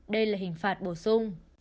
đây là hình phạt bổ sung